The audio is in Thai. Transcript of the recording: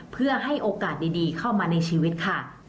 เพื่อให้โอกาสดีเข้ามาในชีวิตค่ะ